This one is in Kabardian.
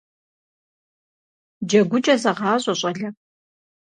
ДжэгукӀэ зэгъащӀэ, щӀалэ!